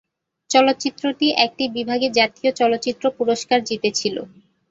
চলচ্চিত্রটি একটি বিভাগে জাতীয় চলচ্চিত্র পুরস্কার জিতেছিল।